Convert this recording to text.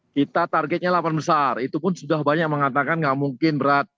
kita targetnya delapan besar itu pun sudah banyak yang mengatakan gak mungkin berat